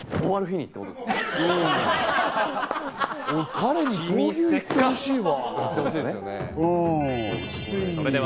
彼に闘牛行ってほしいわ！